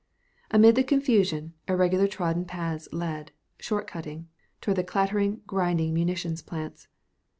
Amid the confusion, irregular trodden paths led, short cutting, toward the clattering, grinding munition plants.